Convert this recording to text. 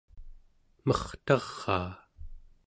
mertaraa